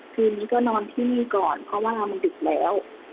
คืนนี้ก็นอนที่นี่ก่อนเพราะว่ามันดึกแล้ว